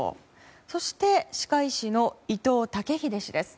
そして歯科医師の伊藤剛秀氏です。